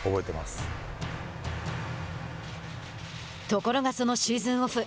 ところが、そのシーズンオフ。